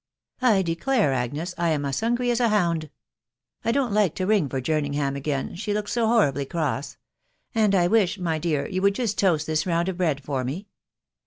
... I declare, Agnes, I am as hungry as a hound !.... I don't like to ring for Jerning ham again, she looked so horridly cross ; and I wish, my dear, you would just toast this round of bread for me.